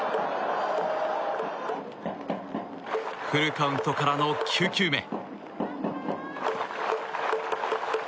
フルカウントからの９球目。